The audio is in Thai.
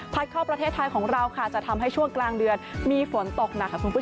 พัดเข้าประเทศไทยของเราจะทำให้ช่วงกลางเดือนมีฝนตกหนัก